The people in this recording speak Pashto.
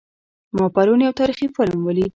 ما پرون یو تاریخي فلم ولید